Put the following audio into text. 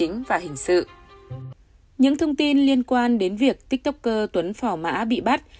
những thông tin liên quan đến việc tiktoker tuấn phỏ mã bị bắt